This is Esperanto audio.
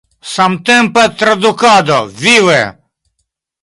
Samtempa tradukado – vive!